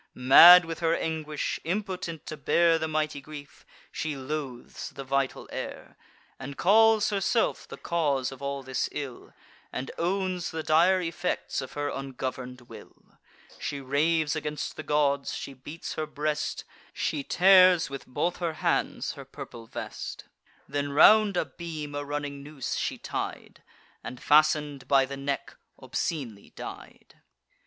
Mad with her anguish, impotent to bear The mighty grief, she loathes the vital air. She calls herself the cause of all this ill, And owns the dire effects of her ungovern'd will; She raves against the gods; she beats her breast; She tears with both her hands her purple vest: Then round a beam a running noose she tied, And, fasten'd by the neck, obscenely died.